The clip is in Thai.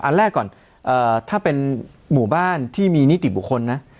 อันแรกก่อนถ้าเป็นหมู่บ้านที่มีนิติบุคคลนะ